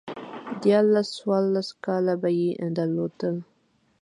ديارلس، څوارلس کاله به يې درلودل